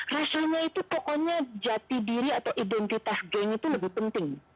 rusuhnya itu pokoknya jati diri atau identitas geng itu lebih penting